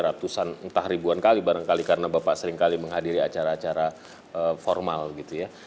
ratusan entah ribuan kali barangkali karena bapak seringkali menghadiri acara acara formal gitu ya